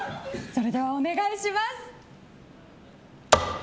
それではお願いします。